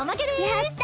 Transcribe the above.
やった！